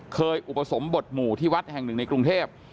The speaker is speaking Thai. อุปสมบทหมู่ที่วัดแห่งหนึ่งในกรุงเทพ